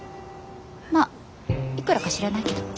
まっいくらか知らないけど。